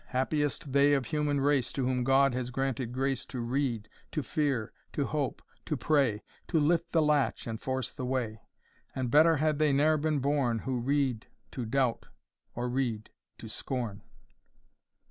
Happiest they of human race, To whom God has granted grace To read, to fear, to hope, to pray, To lift the latch, and force the way; And better had they ne'er been born, Who read, to doubt, or read to scorn."